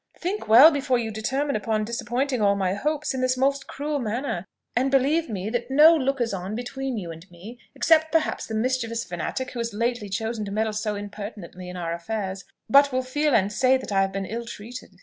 think well before you determine upon disappointing all my hopes in this most cruel manner; and believe me, that no lookers on between you and me except perhaps the mischievous fanatic who has lately chosen to meddle so impertinently in our affairs but will feel and say that I have been ill treated."